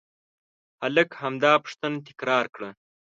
هلک همدا پوښتنه تکرار کړه.